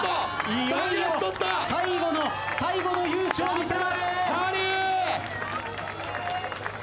いよいよ最後の最後の勇姿を見せます。